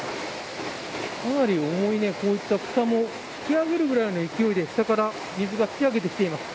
かなり重いふたも噴き上げるぐらいの勢いで下から水が噴き上げてきています。